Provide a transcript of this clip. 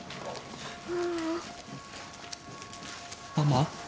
ママ？